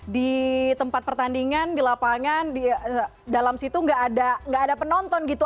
di tempat pertandingan di lapangan di dalam situ nggak ada penonton gitu